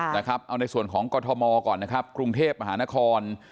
เอาในส่วนของกรทมกรุงเทพฯมหานคร